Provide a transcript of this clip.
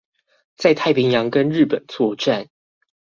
在太平洋跟日本作戰